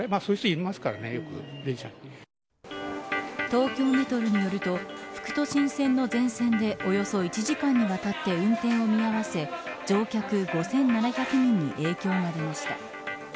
東京メトロによると副都心線の全線でおよそ１時間にわたって運転を見合わせ乗客５７００人に影響が出ました。